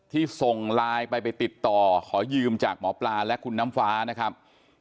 ส่งไลน์ไปไปติดต่อขอยืมจากหมอปลาและคุณน้ำฟ้านะครับ